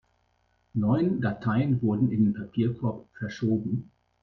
Neun Dateien wurden in den Papierkorb verschoben.